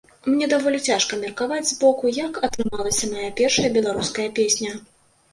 Мне даволі цяжка меркаваць збоку, як атрымалася мая першая беларуская песня.